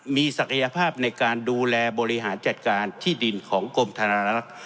มีศักยภาพในการดูแลบริหารจัดการที่ดินของกรมธนลักษณ์